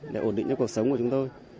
để ổn định cho cuộc sống của chúng tôi